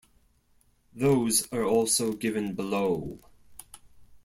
Those are also given below.